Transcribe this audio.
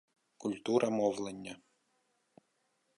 Культура мовлення